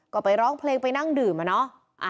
ก็ไปร้องเพลงไปนั่งดื่มอะเนาะ